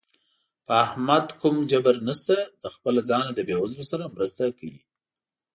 په احمد کوم جبر نشته، له خپله ځانه د بېوزلو سره مرسته کوي.